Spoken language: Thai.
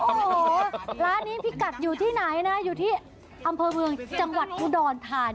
โอ้โหร้านนี้พี่กัดอยู่ที่ไหนนะอยู่ที่อำเภอเมืองจังหวัดอุดรธานี